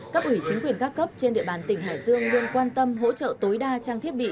cấp ủy chính quyền các cấp trên địa bàn tỉnh hải dương luôn quan tâm hỗ trợ tối đa trang thiết bị